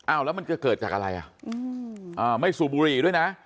แล้วมันจะเกิดจากอะไรอ่ะไม่สูบบุหรี่ด้วยนะ